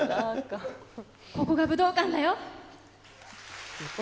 ここが武道館だよ。